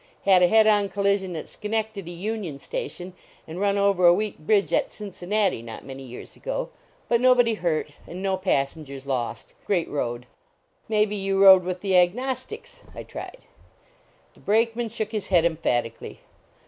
Had a head on collision at Schencctady union station and run over a weak bridge at Cincin nati, not many years ago, but nobody hurt, and no passengers lost. Great road." " May be you rode with the Agnostics? " I tried. The Brakeman shook his head emphatic ally.